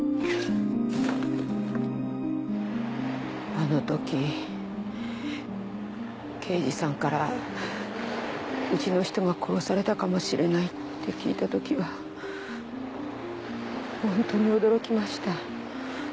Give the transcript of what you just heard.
あの時刑事さんからうちの人が殺されたかもしれないって聞いたときは本当に驚きました。